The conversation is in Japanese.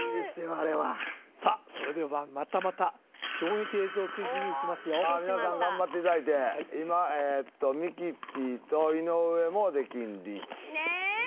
あれはさあそれではまたまた衝撃映像クイズにいきますよ来てしまった皆さん頑張っていただいて今えっとミキティと井上も出禁リーチねえ